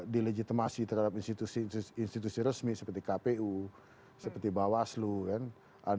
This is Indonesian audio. delegitimasi terhadap institusi resmi seperti kpu seperti bawaslu kan